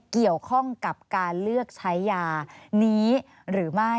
เกี่ยวข้องกับการเลือกใช้ยานี้หรือไม่